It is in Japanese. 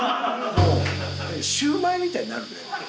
もうシューマイみたいになるで？